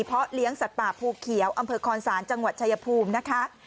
เพราะเลี้ยงสัตว์ป่าภูเขียวอำเภอคอนศาลจังหวัดชายภูมินะคะ